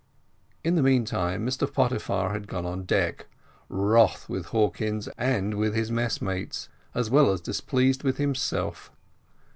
In the meantime, Mr Pottyfar had gone on deck, wroth with Hawkins and his messmates, as well as displeased with himself.